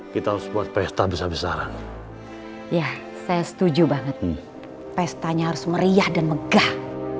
kita harus buat pesta besar besaran ya saya setuju banget nih pestanya harus meriah dan megah